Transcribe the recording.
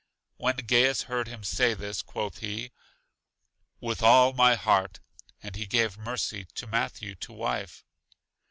When Gaius heard him say this, quoth he: With all my heart. And he gave Mercy to Matthew to wife.